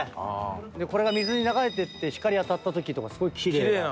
これが水に流れていって光当たった時とかすごいキレイ。